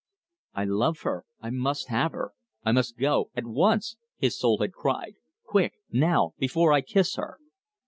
"I love her, I must have her. I must go at once," his soul had cried, "quick now before I kiss her!"